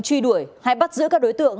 truy đuổi hay bắt giữ các đối tượng